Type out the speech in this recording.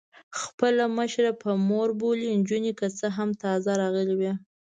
خپله مشره په مور بولي، نجونې که څه هم تازه راغلي وې.